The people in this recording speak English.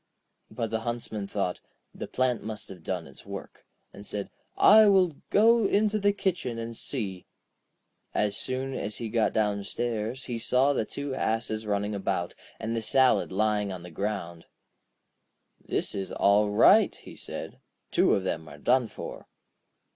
But the Huntsman thought: 'The plant must have done its work,' and said: 'I will go into the kitchen and see.' As soon as he got downstairs he saw the two asses running about, and the salad lying on the ground. 'This is all right!' he said; 'two of them are done for.'